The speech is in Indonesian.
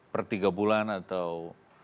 per tiga bulan atau